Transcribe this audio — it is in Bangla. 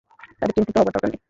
তাদের চিন্তিত হবার দরকার নেই।